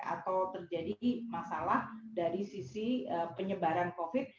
atau terjadi masalah dari sisi penyebaran covid